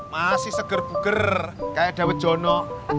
masih seger guger kayak dawa jono